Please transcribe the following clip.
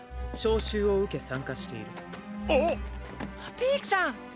ピークさん！